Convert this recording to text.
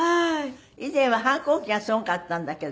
以前は反抗期がすごかったんだけど。